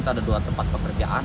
ada dua tempat pekerjaan